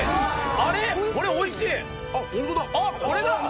あれっこれおいしいあっこれだ！